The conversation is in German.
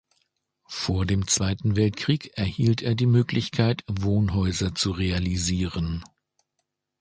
Vor dem Zweiten Weltkrieg erhielt er die Möglichkeit, Wohnhäuser zu realisieren.